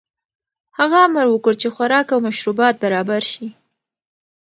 هغه امر وکړ چې خوراک او مشروبات برابر شي.